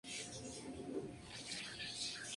Tienen juntos un hijo.